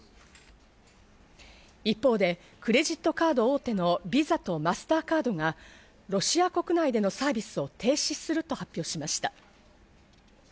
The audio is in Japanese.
一方でクレジットカード大手のビザとマスターカードがロシア国内でのサービスを停止すると発表しました。